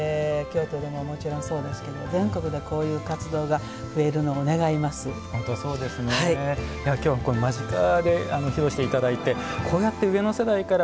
京都でも、もちろんそうですけど全国でこういう活動がではきょう間近で披露していただいてこうやって上の世代から